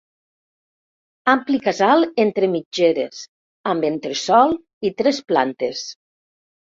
Ampli casal entre mitgeres, amb entresòl i tres plantes.